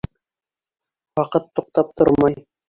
Ваҡыт туҡтап тормай.